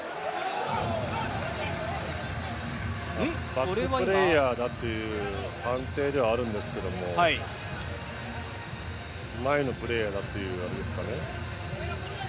バックプレーヤーだという判定ではあるんですけれど前のプレーヤーだというあれですかね。